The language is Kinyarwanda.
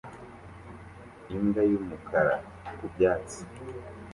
Imbwa y'umukara ku byatsi